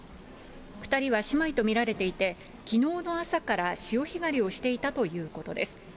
２人は姉妹と見られていて、きのうの朝から潮干狩りをしていたということです。